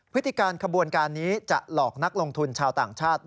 พฤติการขบวนการนี้จะหลอกนักลงทุนชาวต่างชาติ